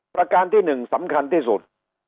ประการที่๑สำคัญที่สุด